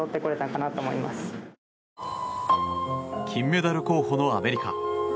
金メダル候補のアメリカ。